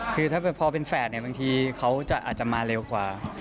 คือถ้าพอเป็นแฝดเนี่ยบางทีเขาอาจจะมาเร็วกว่า